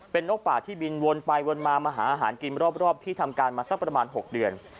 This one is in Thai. เป็นนกป่าที่บินวนไปวนมามาหาอาหารกินรอบที่ทำการมาสักประมาณ๖เดือน